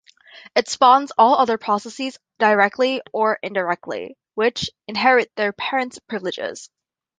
It spawns all other processes directly or indirectly, which inherit their parents' privileges.